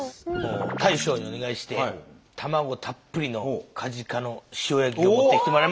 大将にお願いして卵たっぷりのかじかの塩焼きを持ってきてもらいました。